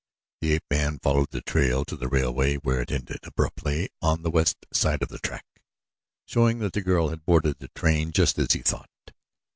The ape man followed the trail to the railway where it ended abruptly on the west side of the track, showing that the girl had boarded the train, just as he thought.